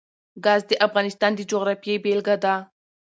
ګاز د افغانستان د جغرافیې بېلګه ده.